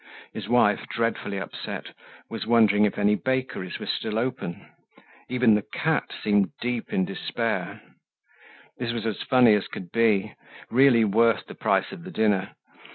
His wife, dreadfully upset, was wondering if any bakeries were still open. Even the cat seemed deep in despair. This was as funny as could be, really worth the price of the dinner.